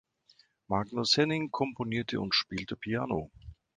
Magnus Henning komponierte und spielte Piano.